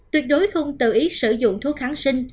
tuyệt đối không tự ý sử dụng thuốc kháng sinh